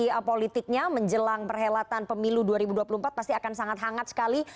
ini politiknya menjelang perhelatan pemilu dua ribu dua puluh empat pasti akan sangat hangat sekali